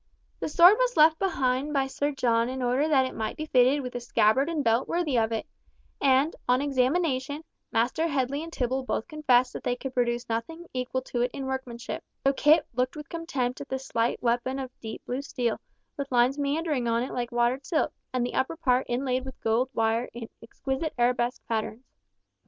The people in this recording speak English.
The sword was left behind by Sir John in order that it might be fitted with a scabbard and belt worthy of it; and on examination, Master Headley and Tibble both confessed that they could produce nothing equal to it in workmanship, though Kit looked with contempt at the slight weapon of deep blue steel, with lines meandering on it like a watered silk, and the upper part inlaid with gold wire in exquisite arabesque patterns.